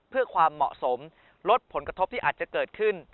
เพื่อความเหมาะสมลดผลกระทบที่อาจจะเกิดขึ้น